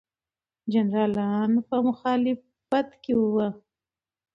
جنرالان په مخالفت کې وو.